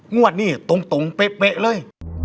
งวดนี้ตรงเป๊ะเลย